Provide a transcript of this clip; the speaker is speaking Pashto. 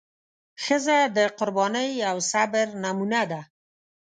ښځه د قربانۍ او صبر نمونه ده.